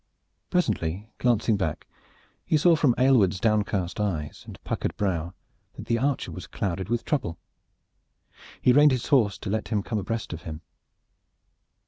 Presently, glancing back, he saw from Aylward's downcast eyes and Puckered brow that the archer was clouded with trouble. He reined his horse to let him come abreast of him.